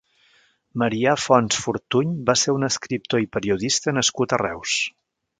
Marià Fonts Fortuny va ser un escriptor i periodista nascut a Reus.